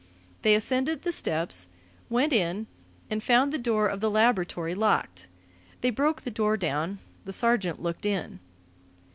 They ascended the steps, went in, and found the door of the laboratory locked. They broke the door down. The sergeant looked in.